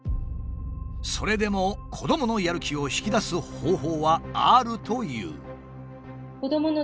それでも子どものやる気を引き出す方法はあるという。